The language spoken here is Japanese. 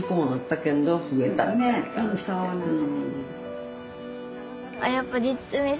そうなの。